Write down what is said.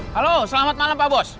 halo selamat malam pak bos